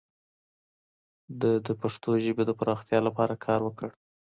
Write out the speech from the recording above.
ده د پښتو ژبې د پراختیا لپاره کار وکړ